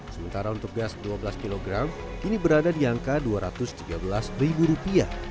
sementara untuk gas dua belas kg kini berada di angka rp dua ratus tiga belas